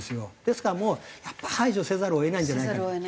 ですからやっぱ排除せざるを得ないんじゃないかなって。